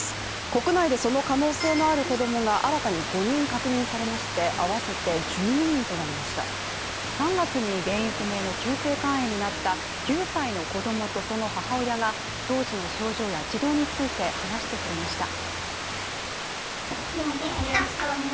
国内でその可能性のある子供が新たに５人確認されまして、あわせて１２人となりました３月に原因不明の急性肝炎になった９歳の子供とその母親が当時の症状や治療について話してくれました。